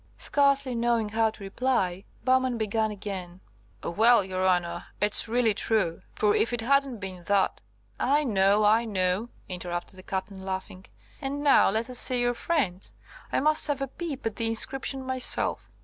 Scarcely knowing how to reply, Bowman began again– "Well, your honour, it's really true, for if it hadn't been that–" "I know, I know," interrupted the Captain, laughing. "And now let us see your friends. I must have a peep at the inscription myself."